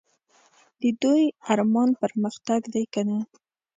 د دوی ارمان پرمختګ دی که نه ؟